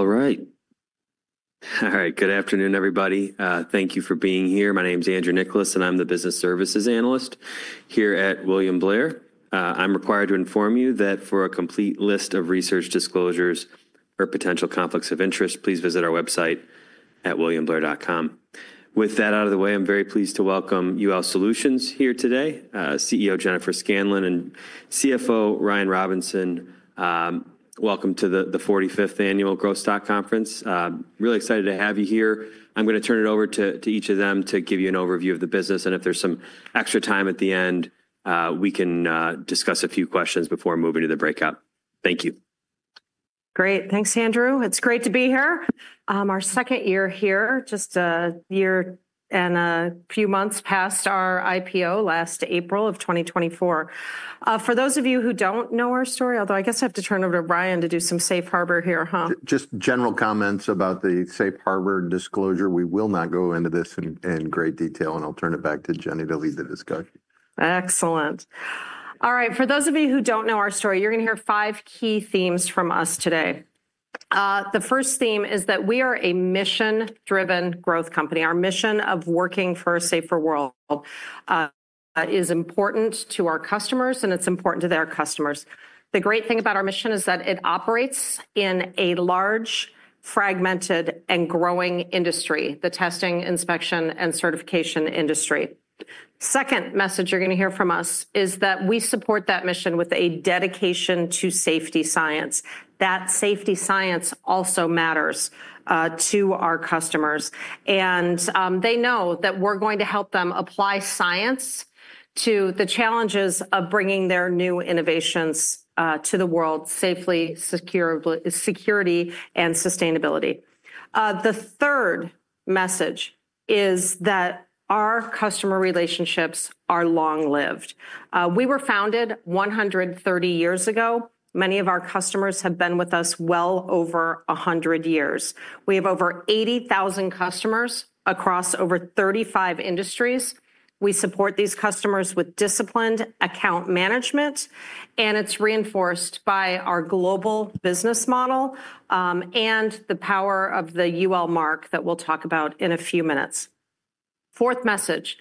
All right. All right. Good afternoon, everybody. Thank you for being here. My name is Andrew Nicholas, and I'm the Business Services Analyst here at William Blair. I'm required to inform you that for a complete list of research disclosures or potential conflicts of interest, please visit our website at williamblair.com. With that out of the way, I'm very pleased to welcome UL Solutions here today. CEO Jennifer Scanlon and CFO Ryan Robinson, welcome to the 45th Annual Growth Stock Conference. Really excited to have you here. I'm going to turn it over to each of them to give you an overview of the business. If there's some extra time at the end, we can discuss a few questions before moving to the breakout. Thank you. Great. Thanks, Andrew. It's great to be here. Our second year here, just a year and a few months past our IPO, last April of 2024. For those of you who don't know our story, although I guess I have to turn it over to Brian to do some safe harbor here. Just general comments about the safe harbor disclosure. We will not go into this in great detail, and I'll turn it back to Jennifer to lead the discussion. Excellent. All right. For those of you who do not know our story, you are going to hear five key themes from us today. The first theme is that we are a mission-driven growth company. Our mission of working for a safer world is important to our customers, and it is important to their customers. The great thing about our mission is that it operates in a large, fragmented, and growing industry, the testing, inspection, and certification industry. The second message you are going to hear from us is that we support that mission with a dedication to safety science. That safety science also matters to our customers. They know that we are going to help them apply science to the challenges of bringing their new innovations to the world safely, securely, with security and sustainability. The third message is that our customer relationships are long-lived. We were founded 130 years ago. Many of our customers have been with us well over 100 years. We have over 80,000 customers across over 35 industries. We support these customers with disciplined account management, and it is reinforced by our global business model and the power of the UL mark that we will talk about in a few minutes. The fourth message: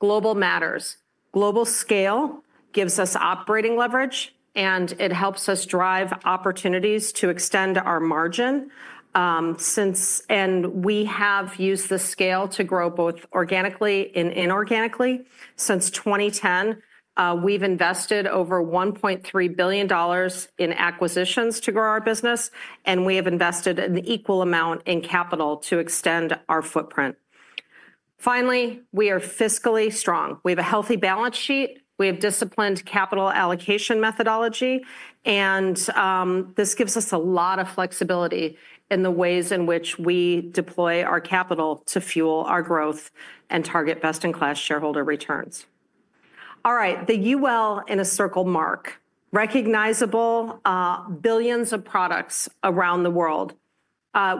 global matters. Global scale gives us operating leverage, and it helps us drive opportunities to extend our margin. We have used the scale to grow both organically and inorganically. Since 2010, we have invested over $1.3 billion in acquisitions to grow our business, and we have invested an equal amount in capital to extend our footprint. Finally, we are fiscally strong. We have a healthy balance sheet. We have disciplined capital allocation methodology, and this gives us a lot of flexibility in the ways in which we deploy our capital to fuel our growth and target best-in-class shareholder returns. All right. The UL in a circle mark. Recognizable, billions of products around the world.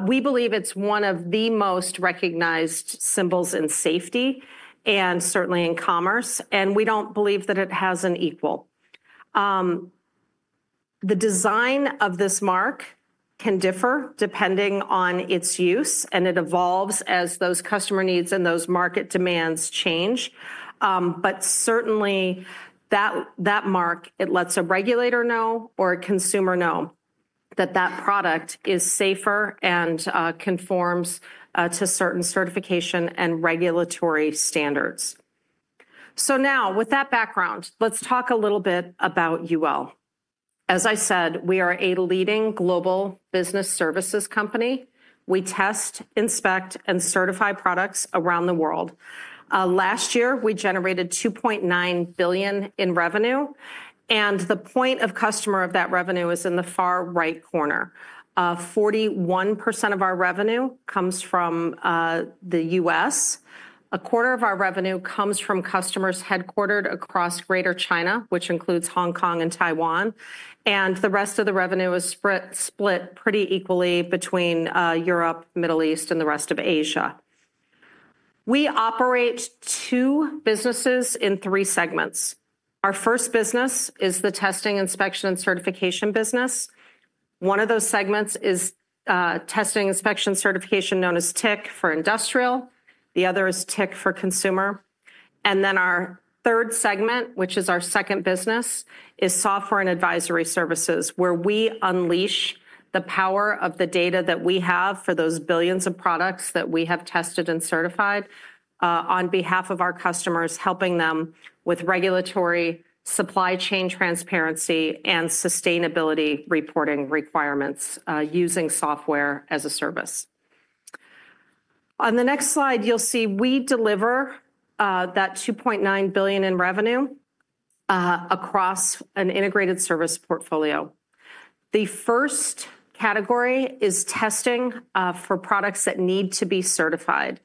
We believe it's one of the most recognized symbols in safety and certainly in commerce, and we don't believe that it has an equal. The design of this mark can differ depending on its use, and it evolves as those customer needs and those market demands change. Certainly, that mark, it lets a regulator know or a consumer know that that product is safer and conforms to certain certification and regulatory standards. Now, with that background, let's talk a little bit about UL. As I said, we are a leading global business services company. We test, inspect, and certify products around the world. Last year, we generated $2.9 billion in revenue, and the point of customer of that revenue is in the far right corner. 41% of our revenue comes from the U.S.. A quarter of our revenue comes from customers headquartered across Greater China, which includes Hong Kong and Taiwan. The rest of the revenue is split pretty equally between Europe, the Middle East, and the rest of Asia. We operate two businesses in three segments. Our first business is the testing, inspection, and certification business. One of those segments is testing, inspection, and certification known as TIC for ndustrial. The other is TIC for consumer. Our third segment, which is our second business, is software and advisory services, where we unleash the power of the data that we have for those billions of products that we have tested and certified on behalf of our customers, helping them with regulatory supply chain transparency and sustainability reporting requirements using software as a service. On the next slide, you'll see we deliver that $2.9 billion in revenue across an integrated service portfolio. The first category is testing for products that need to be certified.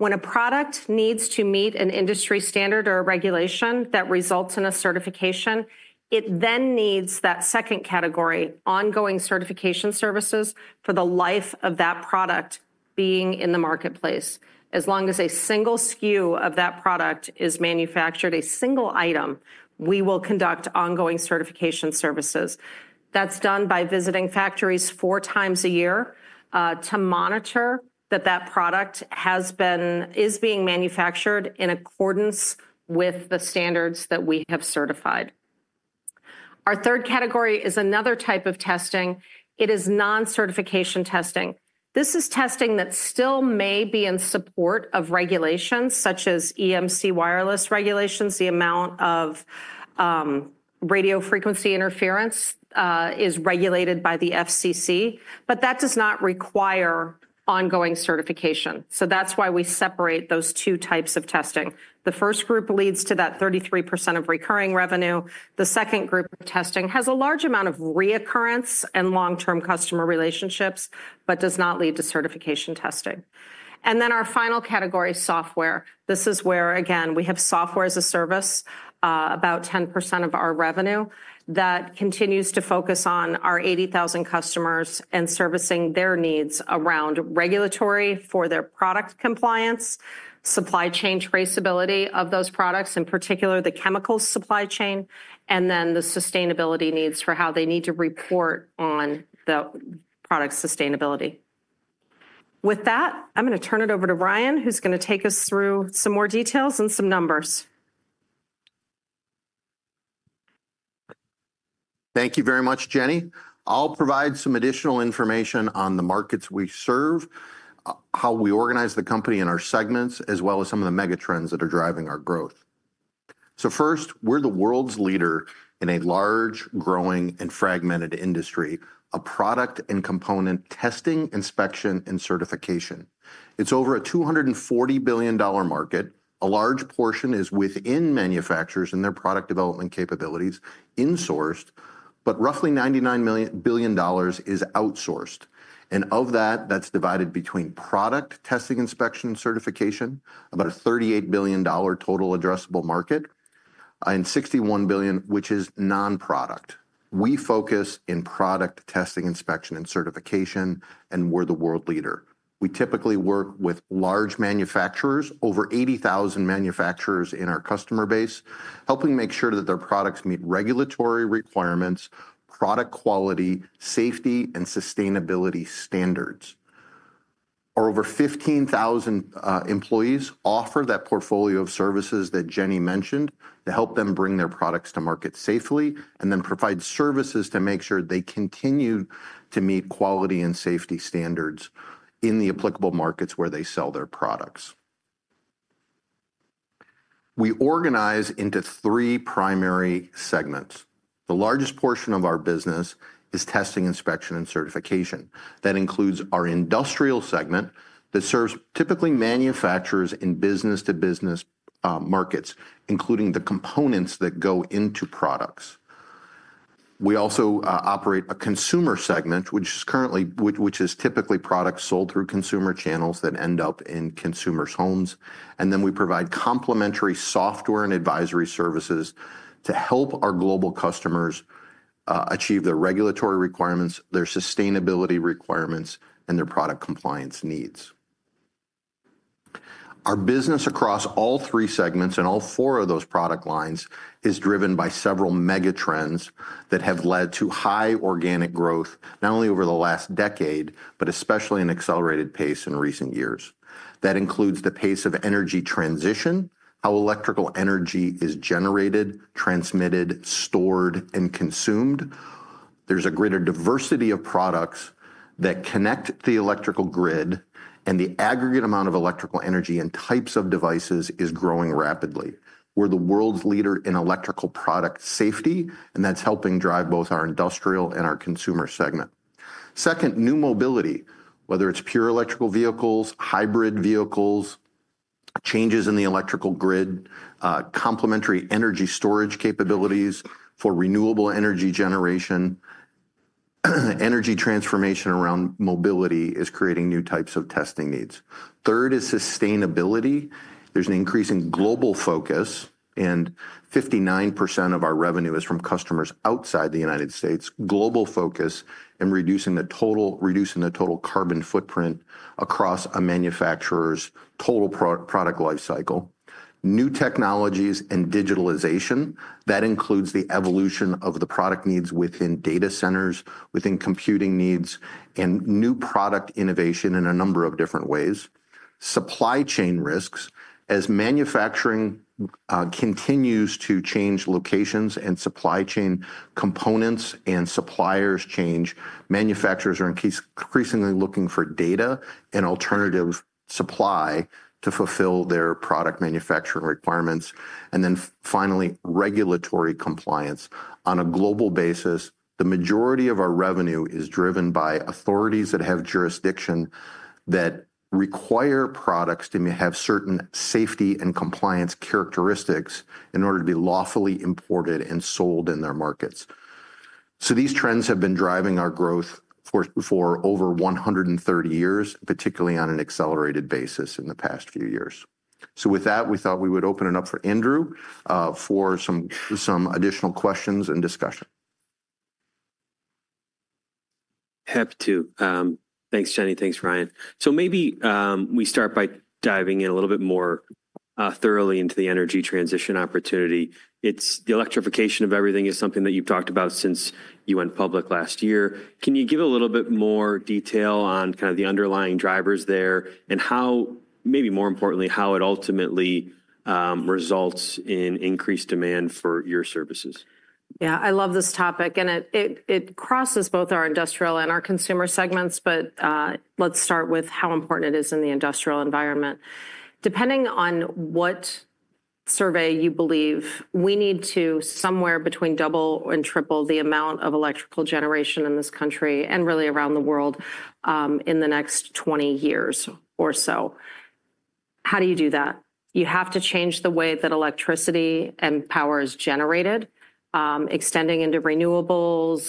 When a product needs to meet an industry standard or a regulation that results in a certification, it then needs that second category, ongoing certification services for the life of that product being in the marketplace. As long as a single SKU of that product is manufactured, a single item, we will conduct ongoing certification services. That's done by visiting factories four times a year to monitor that that product is being manufactured in accordance with the standards that we have certified. Our third category is another type of testing. It is non-certification testing. This is testing that still may be in support of regulations such as EMC wireless regulations. The amount of radio frequency interference is regulated by the FCC, but that does not require ongoing certification. That's why we separate those two types of testing. The first group leads to that 33% of recurring revenue. The second group of testing has a large amount of reoccurrence and long-term customer relationships, but does not lead to certification testing. And then our final category, software. This is where, again, we have software as a service, about 10% of our revenue, that continues to focus on our 80,000 customers and servicing their needs around regulatory for their product compliance, supply chain traceability of those products, in particular, the chemical supply chain, and then the sustainability needs for how they need to report on the product's sustainability. With that, I'm going to turn it over to Ryan, who's going to take us through some more details and some numbers. Thank you very much, Jenny. I'll provide some additional information on the markets we serve, how we organize the company in our segments, as well as some of the megatrends that are driving our growth. First, we're the world's leader in a large, growing, and fragmented industry of product and component testing, inspection, and certification. It's over a $240 billion market. A large portion is within manufacturers and their product development capabilities insourced, but roughly $99 billion is outsourced. Of that, that's divided between product testing, inspection, and certification, about a $38 billion total addressable market, and $61 billion, which is non-product. We focus in product testing, inspection, and certification, and we're the world leader. We typically work with large manufacturers, over 80,000 manufacturers in our customer base, helping make sure that their products meet regulatory requirements, product quality, safety, and sustainability standards. Our over 15,000 employees offer that portfolio of services that Jenny mentioned to help them bring their products to market safely and then provide services to make sure they continue to meet quality and safety standards in the applicable markets where they sell their products. We organize into three primary segments. The largest portion of our business is testing, inspection, and certification. That includes our industrial segment that serves typically manufacturers in business-to-business markets, including the components that go into products. We also operate a consumer segment, which is typically products sold through consumer channels that end up in consumers' homes. We provide complementary software and advisory services to help our global customers achieve their regulatory requirements, their sustainability requirements, and their product compliance needs. Our business across all three segments and all four of those product lines is driven by several megatrends that have led to high organic growth, not only over the last decade, but especially an accelerated pace in recent years. That includes the pace of energy transition, how electrical energy is generated, transmitted, stored, and consumed. There's a greater diversity of products that connect the electrical grid, and the aggregate amount of electrical energy and types of devices is growing rapidly. We're the world's leader in electrical product safety, and that's helping drive both our industrial and our consumer segment. Second, new mobility, whether it's pure electrical vehicles, hybrid vehicles, changes in the electrical grid, complementary energy storage capabilities for renewable energy generation, energy transformation around mobility is creating new types of testing needs. Third is sustainability. There's an increasing global focus, and 59% of our revenue is from customers outside the United States. Global focus in reducing the total carbon footprint across a manufacturer's total product lifecycle. New technologies and digitalization. That includes the evolution of the product needs within data centers, within computing needs, and new product innovation in a number of different ways. Supply chain risks. As manufacturing continues to change locations and supply chain components and suppliers change, manufacturers are increasingly looking for data and alternative supply to fulfill their product manufacturing requirements. Finally, regulatory compliance. On a global basis, the majority of our revenue is driven by authorities that have jurisdiction that require products to have certain safety and compliance characteristics in order to be lawfully imported and sold in their markets. These trends have been driving our growth for over 130 years, particularly on an accelerated basis in the past few years. With that, we thought we would open it up for Andrew for some additional questions and discussion. Happy to. Thanks, Jenny. Thanks, Ryan. Maybe we start by diving in a little bit more thoroughly into the energy transition opportunity. The electrification of everything is something that you've talked about since you went public last year. Can you give a little bit more detail on kind of the underlying drivers there and how, maybe more importantly, how it ultimately results in increased demand for your services? Yeah, I love this topic, and it crosses both our industrial and our consumer segments, but let's start with how important it is in the industrial environment. Depending on what survey you believe, we need to somewhere between double and triple the amount of electrical generation in this country and really around the world in the next 20 years or so. How do you do that? You have to change the way that electricity and power is generated, extending into renewables,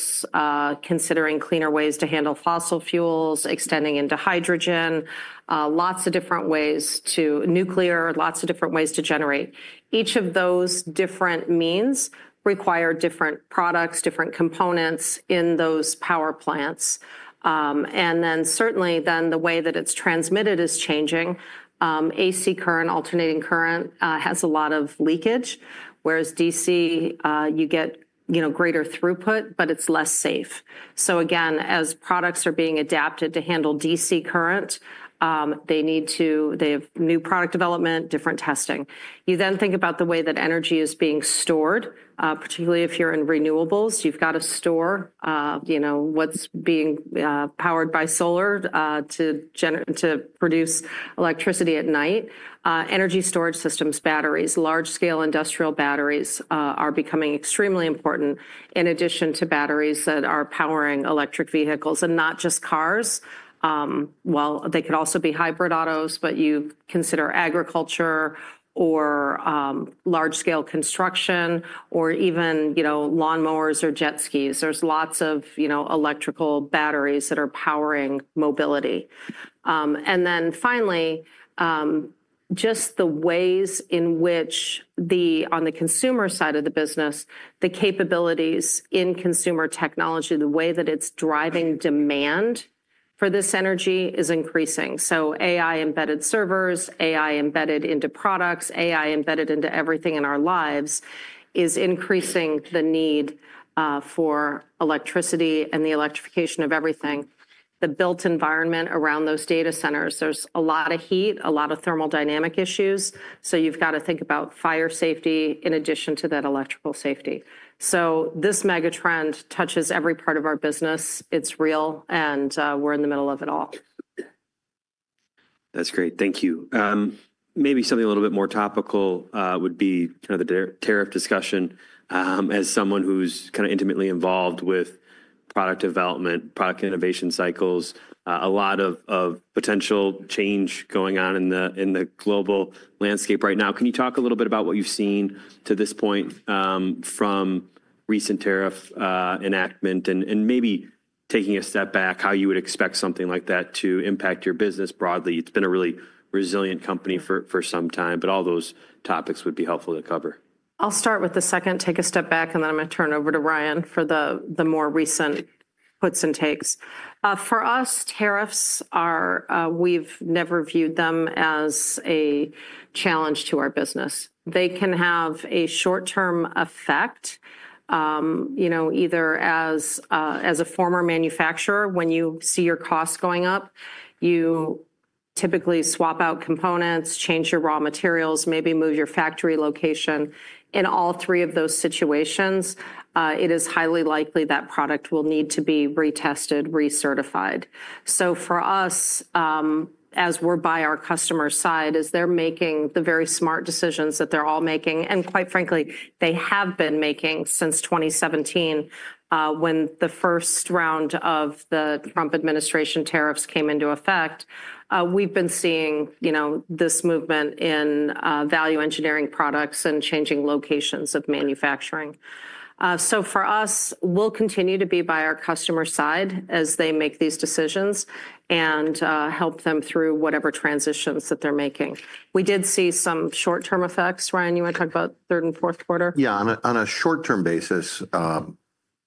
considering cleaner ways to handle fossil fuels, extending into hydrogen, lots of different ways to nuclear, lots of different ways to generate. Each of those different means require different products, different components in those power plants. And then certainly, then the way that it's transmitted is changing. AC current, alternating current has a lot of leakage, whereas DC, you get greater throughput, but it's less safe. Again, as products are being adapted to handle DC current, they have new product development, different testing. You then think about the way that energy is being stored, particularly if you're in renewables. You've got to store what's being powered by solar to produce electricity at night. Energy storage systems, batteries, large-scale industrial batteries are becoming extremely important in addition to batteries that are powering electric vehicles and not just cars. They could also be hybrid autos, but you consider agriculture or large-scale construction or even lawnmowers or jet skis. There's lots of electrical batteries that are powering mobility. Finally, just the ways in which on the consumer side of the business, the capabilities in consumer technology, the way that it's driving demand for this energy is increasing. AI-embedded servers, AI-embedded into products, AI-embedded into everything in our lives is increasing the need for electricity and the electrification of everything. The built environment around those data centers, there's a lot of heat, a lot of thermodynamic issues. You have to think about fire safety in addition to that electrical safety. This megatrend touches every part of our business. It's real, and we're in the middle of it all. That's great. Thank you. Maybe something a little bit more topical would be kind of the tariff discussion. As someone who's kind of intimately involved with product development, product innovation cycles, a lot of potential change going on in the global landscape right now, can you talk a little bit about what you've seen to this point from recent tariff enactment and maybe taking a step back, how you would expect something like that to impact your business broadly? It's been a really resilient company for some time, but all those topics would be helpful to cover. I'll start with the second, take a step back, and then I'm going to turn it over to Ryan for the more recent puts and takes. For us, tariffs, we've never viewed them as a challenge to our business. They can have a short-term effect, either as a former manufacturer, when you see your costs going up, you typically swap out components, change your raw materials, maybe move your factory location. In all three of those situations, it is highly likely that product will need to be retested, recertified. For us, as we're by our customer's side, as they're making the very smart decisions that they're all making, and quite frankly, they have been making since 2017, when the first round of the Trump administration tariffs came into effect, we've been seeing this movement in value engineering products and changing locations of manufacturing. For us, we'll continue to be by our customer's side as they make these decisions and help them through whatever transitions that they're making. We did see some short-term effects. Ryan, you want to talk about third and fourth quarter? Yeah. On a short-term basis,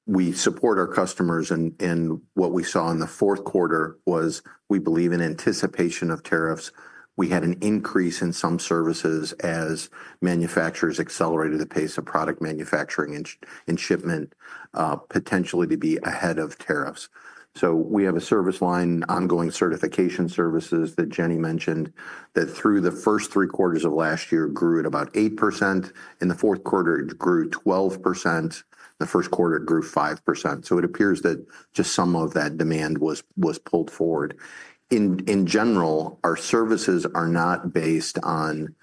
we support our customers, and what we saw in the fourth quarter was we believe in anticipation of tariffs. We had an increase in some services as manufacturers accelerated the pace of product manufacturing and shipment, potentially to be ahead of tariffs. So we have a service line, ongoing certification services that Jenny mentioned, that through the first three quarters of last year grew at about 8%. In the fourth quarter, it grew 12%. The first quarter grew 5%. It appears that just some of that demand was pulled forward. In general, our services are not based on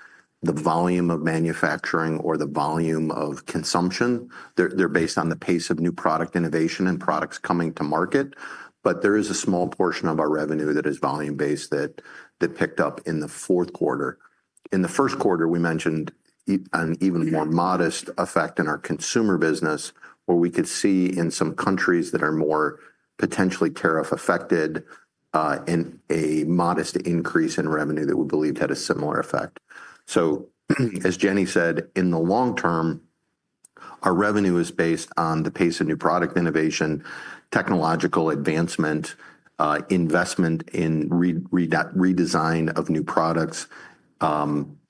the volume of manufacturing or the volume of consumption. They're based on the pace of new product innovation and products coming to market. There is a small portion of our revenue that is volume-based that picked up in the fourth quarter. In the first quarter, we mentioned an even more modest effect in our consumer business, where we could see in some countries that are more potentially tariff-affected a modest increase in revenue that we believed had a similar effect. As Jenny said, in the long term, our revenue is based on the pace of new product innovation, technological advancement, investment in redesign of new products.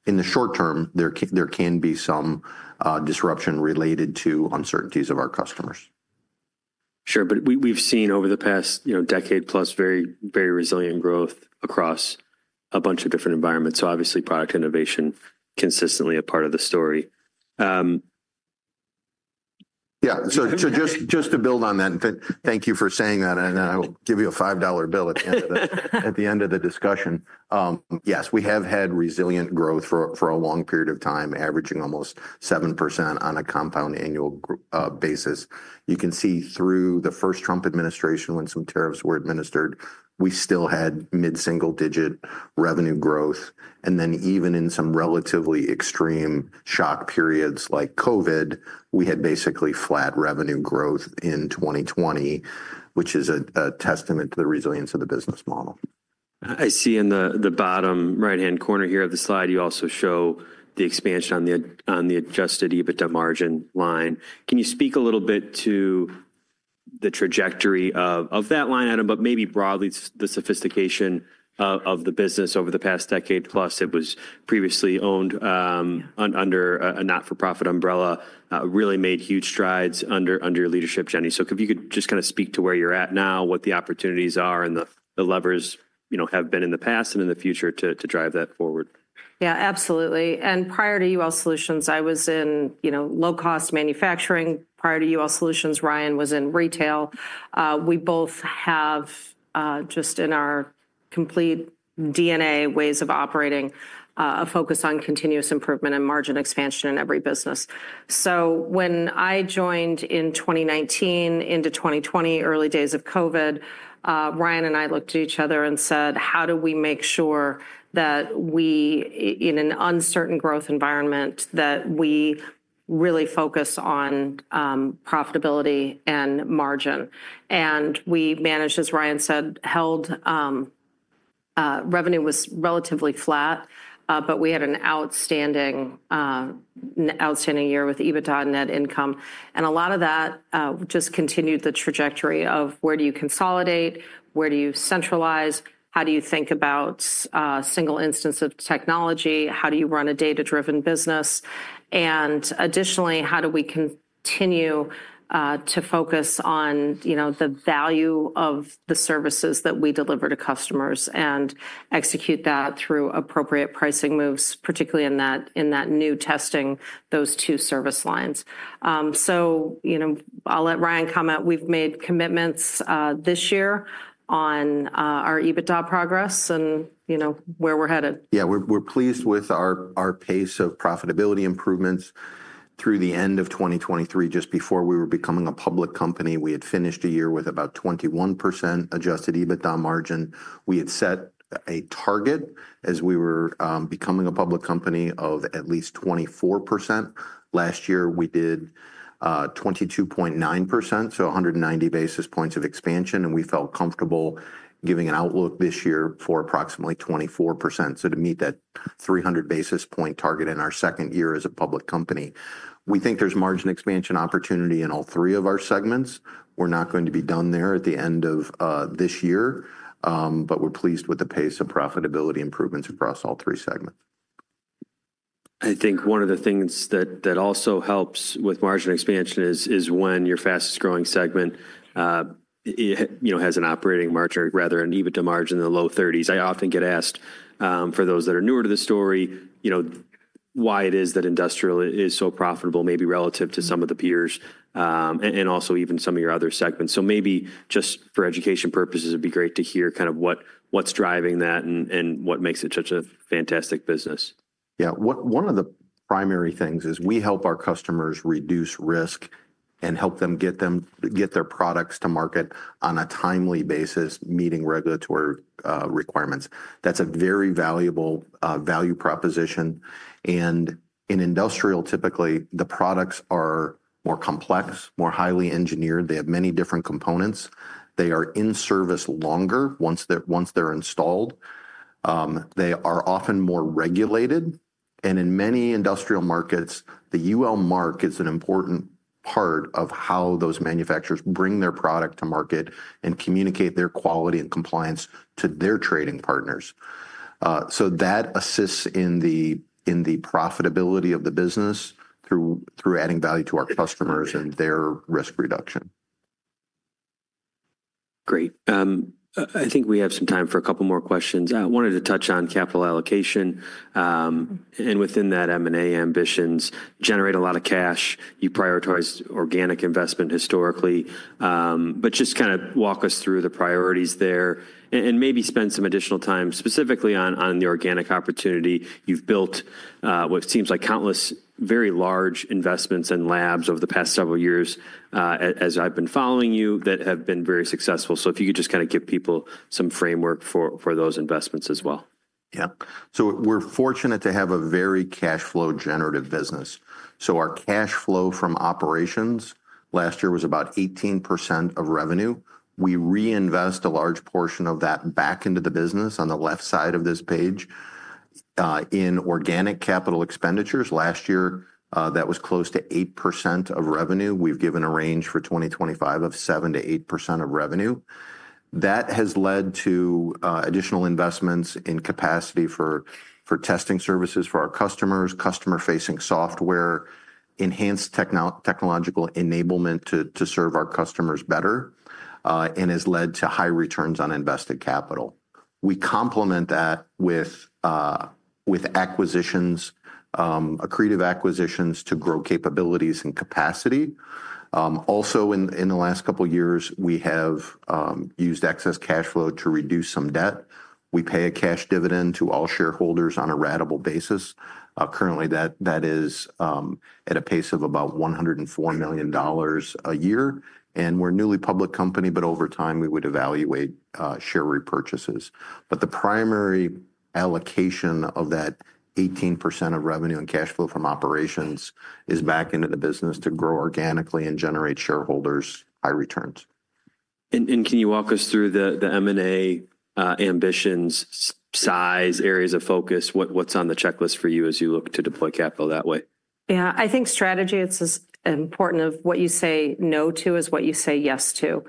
In the short term, there can be some disruption related to uncertainties of our customers. Sure. We have seen over the past decade-plus very resilient growth across a bunch of different environments. Obviously, product innovation is consistently a part of the story. Yeah. So just to build on that, thank you for saying that. And I'll give you a $5 bill at the end of the discussion. Yes, we have had resilient growth for a long period of time, averaging almost 7% on a compound annual basis. You can see through the first Trump administration, when some tariffs were administered, we still had mid-single-digit revenue growth. And then even in some relatively extreme shock periods like COVID, we had basically flat revenue growth in 2020, which is a testament to the resilience of the business model. I see in the bottom right-hand corner here of the slide, you also show the expansion on the adjusted EBITDA margin line. Can you speak a little bit to the trajectory of that line, [and above], but maybe broadly the sophistication of the business over the past decade-plus? It was previously owned under a not-for-profit umbrella, really made huge strides under your leadership, Jenny. If you could just kind of speak to where you're at now, what the opportunities are and the levers have been in the past and in the future to drive that forward. Yeah, absolutely. Prior to UL Solutions, I was in low-cost manufacturing. Prior to UL Solutions, Ryan was in retail. We both have, just in our complete DNA ways of operating, a focus on continuous improvement and margin expansion in every business. When I joined in 2019 into 2020, early days of COVID, Ryan and I looked at each other and said, how do we make sure that we, in an uncertain growth environment, that we really focus on profitability and margin? We managed, as Ryan said, held revenue was relatively flat, but we had an outstanding year with EBITDA and net income. A lot of that just continued the trajectory of where do you consolidate, where do you centralize, how do you think about single instance of technology, how do you run a data-driven business, and additionally, how do we continue to focus on the value of the services that we deliver to customers and execute that through appropriate pricing moves, particularly in that new testing, those two service lines. I'll let Ryan comment. We've made commitments this year on our EBITDA progress and where we're headed. Yeah, we're pleased with our pace of profitability improvements through the end of 2023. Just before we were becoming a public company, we had finished a year with about 21% adjusted EBITDA margin. We had set a target as we were becoming a public company of at least 24%. Last year, we did 22.9%, so 190 basis points of expansion. We felt comfortable giving an outlook this year for approximately 24%, to meet that 300 basis point target in our second year as a public company. We think there's margin expansion opportunity in all three of our segments. We're not going to be done there at the end of this year, but we're pleased with the pace of profitability improvements across all three segments. I think one of the things that also helps with margin expansion is when your fastest-growing segment has an operating margin, rather an EBITDA margin in the low 30%. I often get asked, for those that are newer to the story, why it is that industrial is so profitable, maybe relative to some of the peers and also even some of your other segments. Maybe just for education purposes, it'd be great to hear kind of what's driving that and what makes it such a fantastic business. Yeah. One of the primary things is we help our customers reduce risk and help them get their products to market on a timely basis, meeting regulatory requirements. That's a very valuable value proposition. In industrial, typically, the products are more complex, more highly engineered. They have many different components. They are in service longer once they're installed. They are often more regulated. In many industrial markets, the UL mark is an important part of how those manufacturers bring their product to market and communicate their quality and compliance to their trading partners. That assists in the profitability of the business through adding value to our customers and their risk reduction. Great. I think we have some time for a couple more questions. I wanted to touch on capital allocation. Within that, M&A ambitions generate a lot of cash. You prioritized organic investment historically. Just kind of walk us through the priorities there and maybe spend some additional time specifically on the organic opportunity. You've built what seems like countless very large investments and labs over the past several years, as I've been following you, that have been very successful. If you could just kind of give people some framework for those investments as well. Yeah. We are fortunate to have a very cash flow generative business. Our cash flow from operations last year was about 18% of revenue. We reinvest a large portion of that back into the business on the left side of this page. In organic capital expenditures last year, that was close to 8% of revenue. We have given a range for 2025 of 7%-8% of revenue. That has led to additional investments in capacity for testing services for our customers, customer-facing software, enhanced technological enablement to serve our customers better, and has led to high returns on invested capital. We complement that with accretive acquisitions to grow capabilities and capacity. Also, in the last couple of years, we have used excess cash flow to reduce some debt. We pay a cash dividend to all shareholders on a ratable basis. Currently, that is at a pace of about $104 million a year. We are a newly public company, but over time, we would evaluate share repurchases. The primary allocation of that 18% of revenue and cash flow from operations is back into the business to grow organically and generate shareholders high returns. Can you walk us through the M&A ambitions, size, areas of focus? What's on the checklist for you as you look to deploy capital that way? Yeah. I think strategy, it's as important of what you say no to as what you say yes to.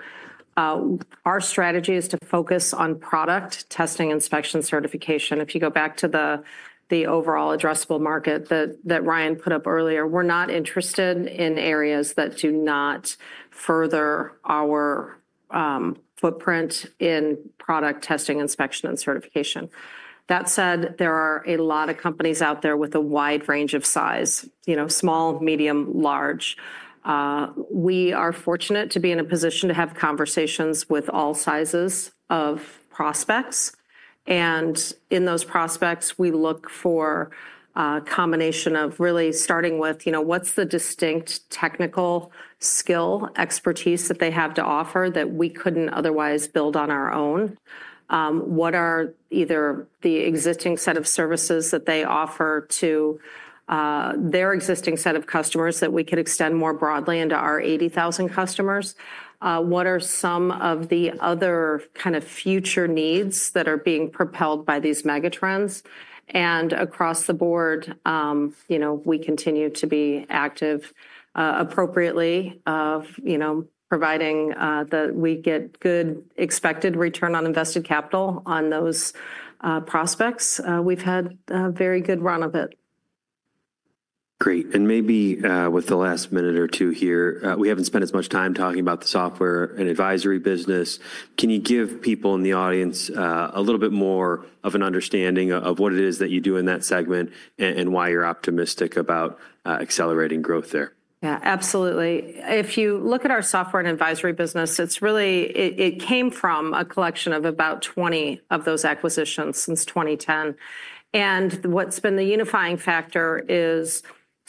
Our strategy is to focus on product testing, inspection, certification. If you go back to the overall addressable market that Ryan put up earlier, we're not interested in areas that do not further our footprint in product testing, inspection, and certification. That said, there are a lot of companies out there with a wide range of size: small, medium, large. We are fortunate to be in a position to have conversations with all sizes of prospects. In those prospects, we look for a combination of really starting with what's the distinct technical skill expertise that they have to offer that we couldn't otherwise build on our own? What are either the existing set of services that they offer to their existing set of customers that we could extend more broadly into our 80,000 customers? What are some of the other kind of future needs that are being propelled by these megatrends? Across the board, we continue to be active appropriately of providing that we get good expected return on invested capital on those prospects. We've had a very good run of it. Great. Maybe with the last minute or two here, we have not spent as much time talking about the software and advisory business. Can you give people in the audience a little bit more of an understanding of what it is that you do in that segment and why you are optimistic about accelerating growth there? Yeah, absolutely. If you look at our software and advisory business, it came from a collection of about 20 of those acquisitions since 2010. What's been the unifying factor is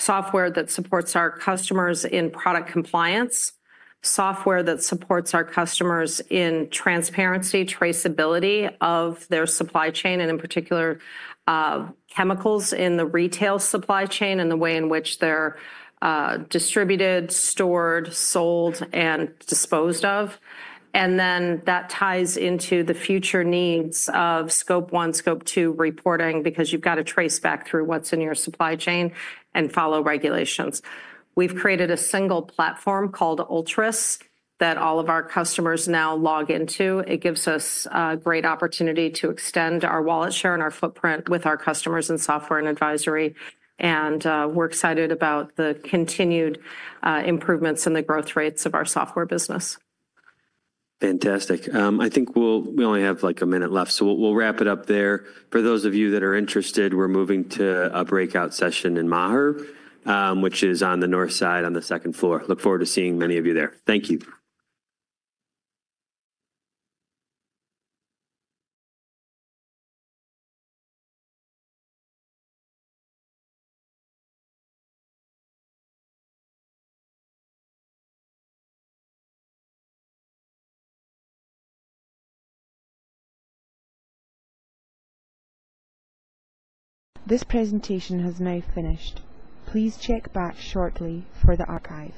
software that supports our customers in product compliance, software that supports our customers in transparency, traceability of their supply chain, and in particular, chemicals in the retail supply chain and the way in which they're distributed, stored, sold, and disposed of. That ties into the future needs of scope one, scope two reporting because you've got to trace back through what's in your supply chain and follow regulations. We've created a single platform called ULTRUS that all of our customers now log into. It gives us a great opportunity to extend our wallet share and our footprint with our customers in software and advisory. We're excited about the continued improvements in the growth rates of our software business. Fantastic. I think we only have like a minute left, so we'll wrap it up there. For those of you that are interested, we're moving to a breakout session in Maher, which is on the north side on the second floor. Look forward to seeing many of you there. Thank you. This presentation has now finished. Please check back shortly for the archive.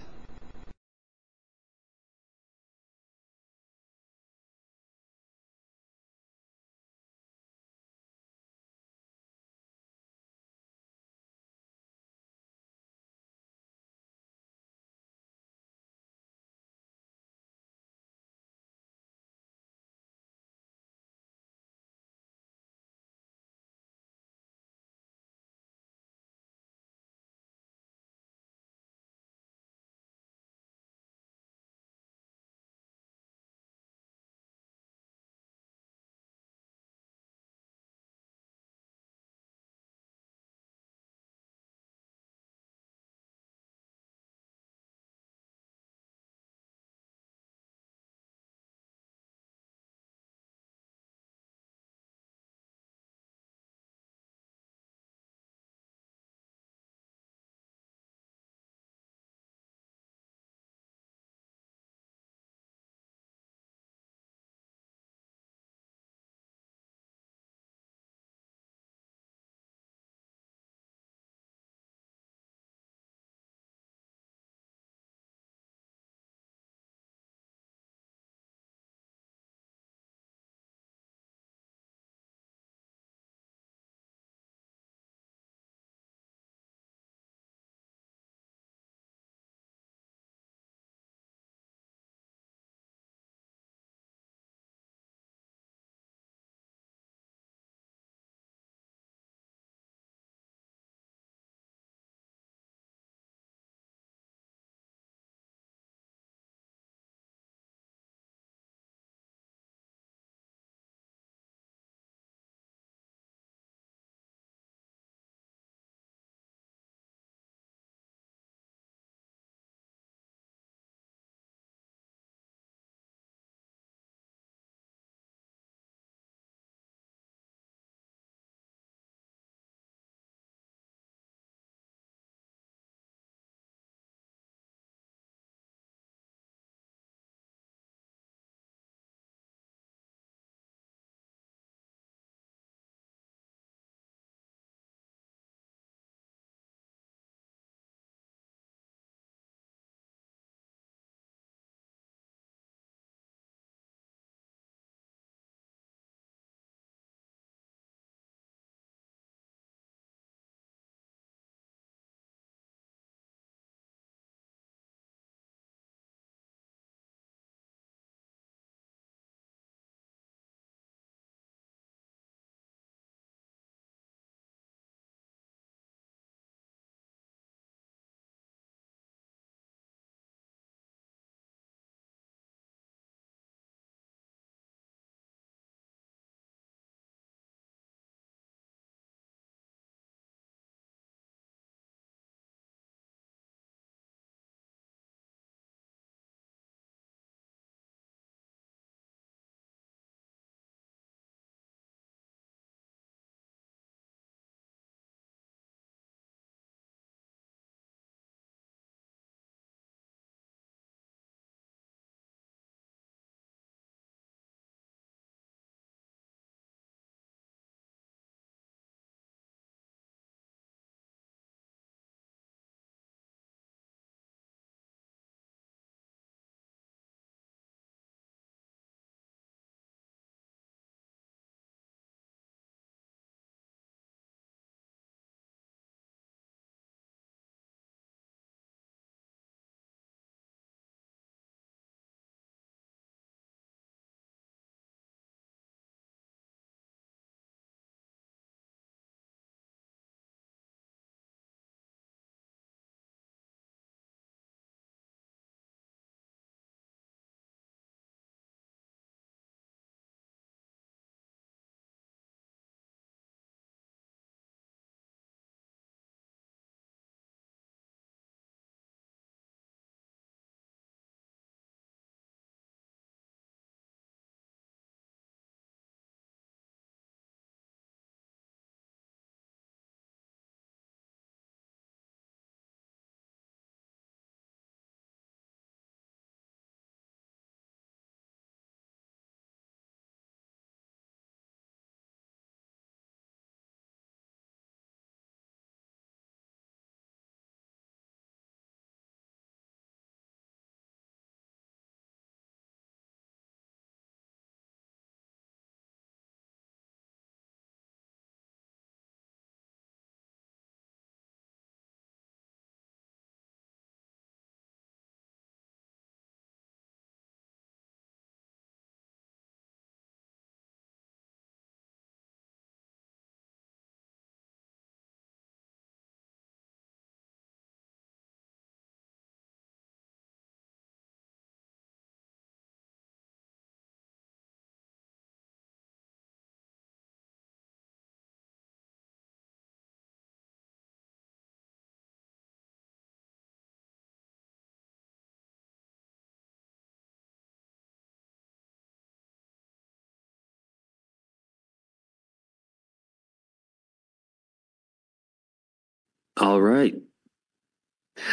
All right.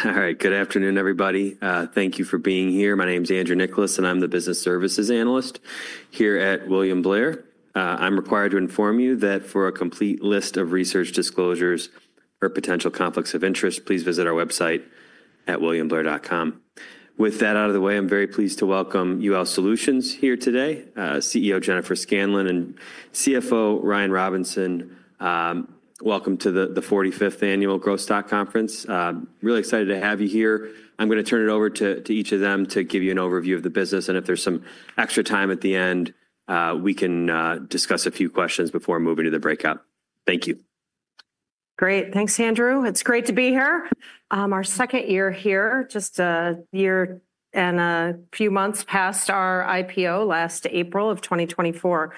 All right. Good afternoon, everybody. Thank you for being here. My name is Andrew Nicholas, and I'm the Business Services Analyst here at William Blair. I'm required to inform you that for a complete list of research disclosures or potential conflicts of interest, please visit our website at williamblair.com. With that out of the way, I'm very pleased to welcome UL Solutions here today, CEO Jennifer Scanlon and CFO Ryan Robinson. Welcome to the 45th Annual Growth Stock Conference. Really excited to have you here. I'm going to turn it over to each of them to give you an overview of the business. If there's some extra time at the end, we can discuss a few questions before moving to the breakout. Thank you. Great. Thanks, Andrew. It's great to be here. Our second year here, just a year and a few months past our IPO last April of 2024.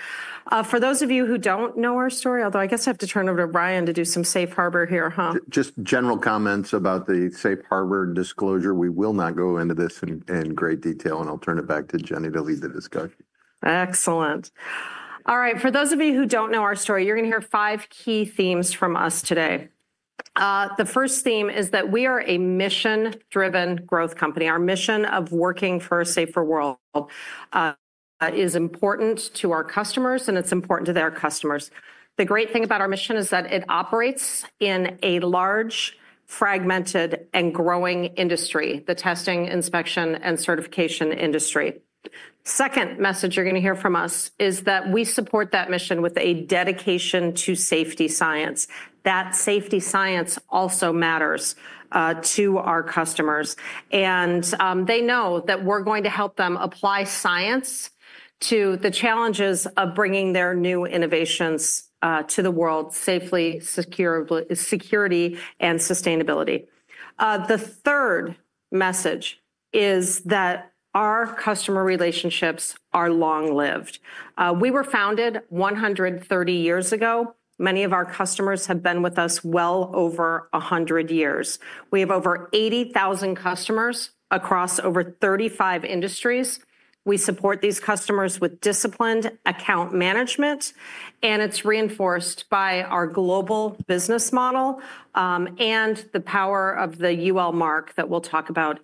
For those of you who don't know our story, although I guess I have to turn over to Brian to do some safe harbor here, huh? Just general comments about the safe harbor disclosure. We will not go into this in great detail, and I'll turn it back to Jenny to lead the discussion. Excellent. All right. For those of you who do not know our story, you are going to hear five key themes from us today. The first theme is that we are a mission-driven growth company. Our mission of working for a safer world is important to our customers, and it is important to their customers. The great thing about our mission is that it operates in a large, fragmented, and growing industry, the testing, inspection, and certification industry. The second message you are going to hear from us is that we support that mission with a dedication to safety science. That safety science also matters to our customers. They know that we are going to help them apply science to the challenges of bringing their new innovations to the world safely, security, and sustainability. The third message is that our customer relationships are long-lived. We were founded 130 years ago. Many of our customers have been with us well over 100 years. We have over 80,000 customers across over 35 industries. We support these customers with disciplined account management, and it's reinforced by our global business model and the power of the UL mark that we'll talk about.